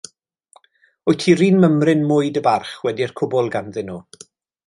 Wyt ti 'run mymryn mwy dy barch wedi'r cwbwl ganddyn nhw.